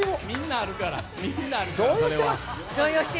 みんなあるから、それは。